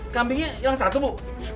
kambingnya hilang satu bu